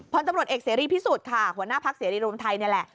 พันธบรรดเอกเสรีพิสูจน์ค่ะหัวหน้าภักดิ์เสรีรวมไทย